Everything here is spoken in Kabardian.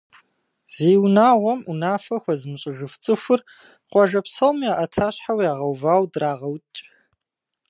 Зи унагъуэм унафэ хуэзымыщӏыжыф цӏыхур къуажэ псом я ӏэтащхьэу ягъэувауэ драгъэукӏ!